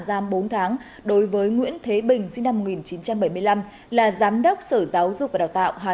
điều tạo ra bốn tháng đối với nguyễn thế bình sinh năm một nghìn chín trăm bảy mươi năm là giám đốc sở giáo dục và đào tạo hà